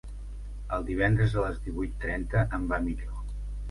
El divendres a les divuit trenta em va millor.